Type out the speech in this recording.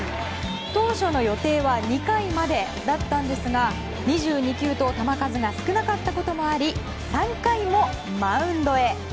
当初の予定は２回までだったんですが２２球と球数が少なかったこともあり３回もマウンドへ。